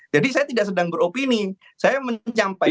jadi saya tidak sedang beropini saya menyampaikan